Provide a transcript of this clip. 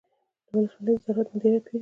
د ولسوالۍ د زراعت مدیر پیژنئ؟